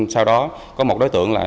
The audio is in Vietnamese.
sau đó có một đối tượng